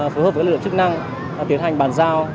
phối hợp với lựa chức năng tiến hành bàn giao